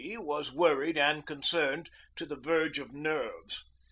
was worried and concerned to the verge of nerves.